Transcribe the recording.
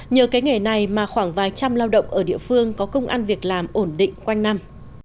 nhờ cái nghề này mà khoảng vài trăm lao động ở địa phương có công an việc làm ổn định quanh năm